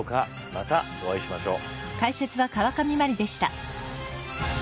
またお会いしましょう。